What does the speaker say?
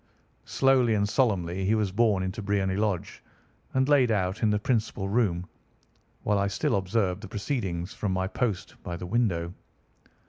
Slowly and solemnly he was borne into Briony Lodge and laid out in the principal room, while I still observed the proceedings from my post by the window.